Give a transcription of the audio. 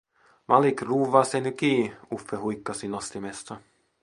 "Malik, ruuvvaa se ny kii", Uffe huikkasi nostimesta.